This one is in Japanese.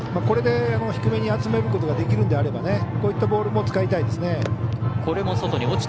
これで低めに集めることができるんであればこういったボールも使いたいですね。